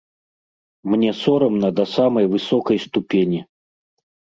Мне сорамна да самай высокай ступені.